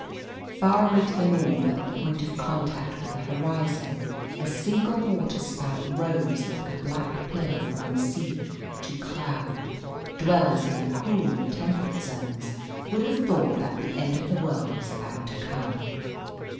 Far away to the north, at the point of contact with the horizon, a single waterspout rose like a black pillar from sea to cloud. Dwellers in the cool and temperate zones would have thought that the end of the world was about to come.